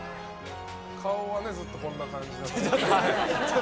顔はずっとこんな感じで。